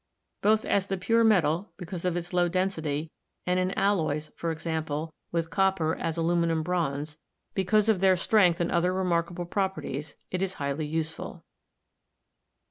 Both as the pure metal, because of its low density, and in alloys, for example, with copper as aluminium bronze, because of 270 GEOLOGY their strength and other remarkable properties, it is highly useful.